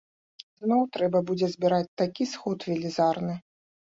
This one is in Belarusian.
Зноў трэба будзе збіраць такі сход велізарны.